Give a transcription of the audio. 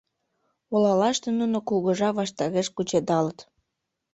Олалаште нуно кугыжа ваштареш кучедалыт.